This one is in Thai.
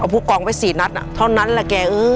เอาผู้กองไป๔นัดเท่านั้นแหละแก